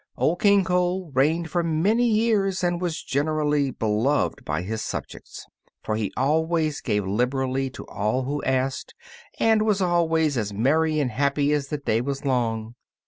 Old King Cole reigned for many years, and was generally beloved by his subjects; for he always gave liberally to all who asked, and was always as merry and happy as the day was long.